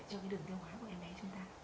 cho đường tiêu hóa của em bé chúng ta